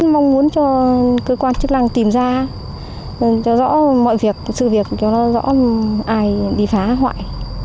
mong muốn cho cơ quan chức năng tìm ra cho rõ mọi việc sự việc cho nó rõ ai bị phá hoại